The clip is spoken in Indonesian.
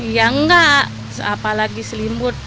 ya nggak apalagi selimut